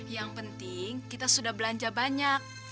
yang penting kita sudah belanja banyak